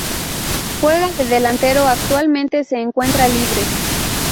Juega de delantero y actualmente se encuentra libre.